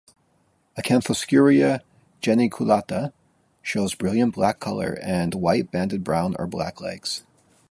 "Acanthoscurria geniculata" shows brilliant black color and white banded brown or black legs.